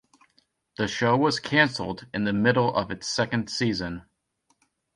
The show was canceled in the middle of its second season.